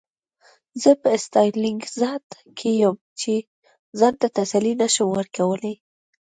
زه په ستالینګراډ کې یم چې ځان ته تسلي نشم ورکولی